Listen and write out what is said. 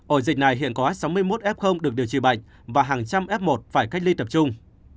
ổ dịch này hiện có sáu mươi một f được điều trị bệnh và hàng trăm f một phải cách ly tập trung